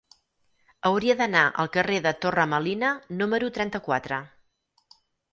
Hauria d'anar al carrer de Torre Melina número trenta-quatre.